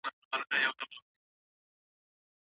ولې د پنبې او وړۍ تجارت دومره ارزښت درلود؟